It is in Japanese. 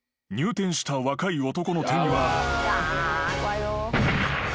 ［入店した若い男の手には］